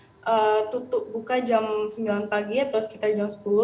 kalau mal mal itu tutup buka jam sembilan pagi atau sekitar jam sepuluh